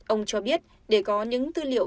ông cho biết để có những tư liệu